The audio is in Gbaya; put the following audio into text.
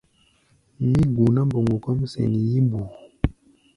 Mí guná mboŋgo kɔ́ʼm sɛn yí-mbuu.